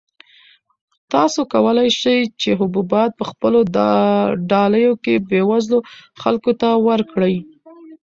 تاسو کولای شئ چې حبوبات په خپلو ډالیو کې بېوزلو خلکو ته ورکړئ.